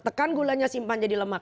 tekan gulanya simpan jadi lemak